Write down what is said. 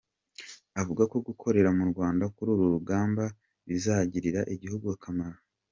Avuga ko gukorera mu Rwanda k’uru ruganda bizagirira igihugu akamaro.